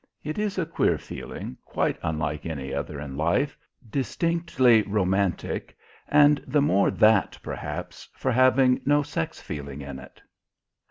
It is a queer feeling quite unlike any other in life, distinctly romantic and the more that perhaps for having no sex feeling in it.